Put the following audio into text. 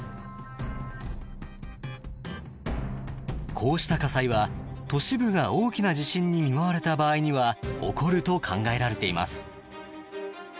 こうした火災は都市部が大きな地震に見舞われた場合には起こると考えられています。